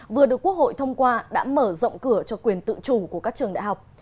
vừa được quốc hội thông qua đã mở rộng cửa cho quyền tự chủ của các trường đại học